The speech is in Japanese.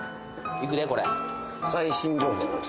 いくでこれ最新情報やろ？